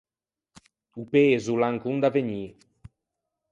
O pezo o l’à ancon da vegnî.